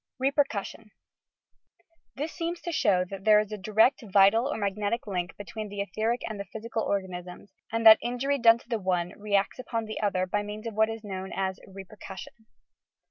"bbpehcussion" This seems to show that there is a direct vital or mag netic link between the etheric and the physical organ isms, and that injury done to the one re acts upon the other by means of what is known as "repercussion."